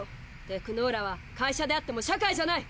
テクノーラは会社であっても社会じゃない！